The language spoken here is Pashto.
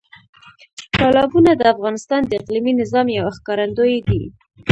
تالابونه د افغانستان د اقلیمي نظام یو ښکارندوی دی.